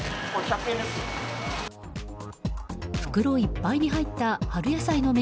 袋いっぱいに入った春野菜の芽